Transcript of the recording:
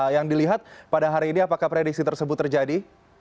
yang dilihat pada hari ini apakah prediksi tersebut terjadi